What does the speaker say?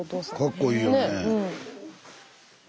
かっこいいよねえ。